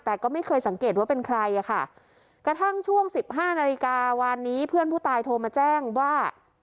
แต่ก็ไม่เคยสังเกตว่าเป็นใครอ่ะค่ะกระทั่งช่วงสิบห้านาฬิกาวานนี้เพื่อนผู้ตายโทรมาแจ้งว่า